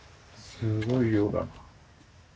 すごい量だな。